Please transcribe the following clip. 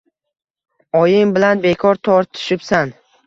Oying bilan bekor tortishibsan